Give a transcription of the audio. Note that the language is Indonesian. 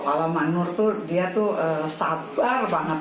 kalau bang nur itu dia tuh sabar banget